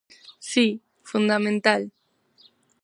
Si, fundamental.